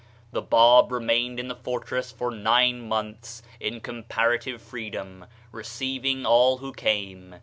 The Bab remained in the fortress for nine months in comparative freedom, receiving all who came.